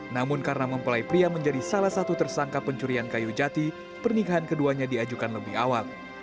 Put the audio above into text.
namun karena mempelai pria menjadi salah satu tersangka pencurian kayu jati pernikahan keduanya diajukan lebih awal